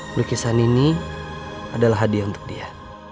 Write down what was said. berkisah nini adalah hadiah untuk dia